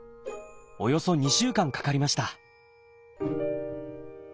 およそ２週間かかりました。